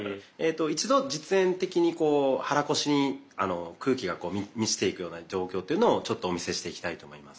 一度実演的に肚腰に空気が満ちていくような状況というのをちょっとお見せしていきたいと思います。